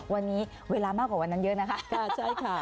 วันนี้เวลามากกว่าวันนั้นเยอะนะคะใช่ค่ะ